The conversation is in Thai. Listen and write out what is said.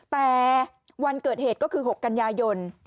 แต่วันเกิดเหตุก็คือ๖กันยายน